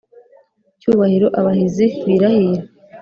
Cyubahiro abahizi birahira